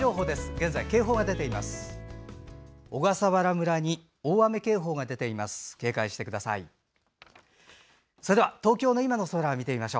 現在、警報が出ています。